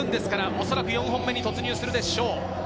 おそらく４本目に突入するでしょう。